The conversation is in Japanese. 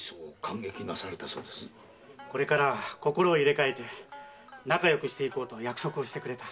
これからは心を入れ替えて仲良くしていこうと約束をしてくれた。